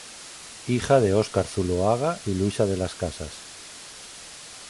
Hija de Óscar Zuloaga y Luisa de las Casas.